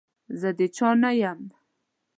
زه د چا نه يم.